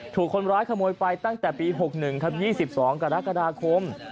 ถูกคนร้ายขโมยไปตั้งแต่ปี๖๑ครับ๒๒กรกฎาคม